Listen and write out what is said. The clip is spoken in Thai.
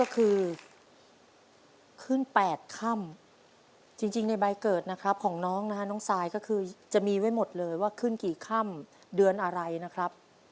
คือขึ้น๘ค่ำจริงในใบเกิดนะครับของน้องนะฮะน้องซายก็คือจะมีไว้หมดเลยว่าขึ้นกี่ค่ำเดือนอะไรนะครับ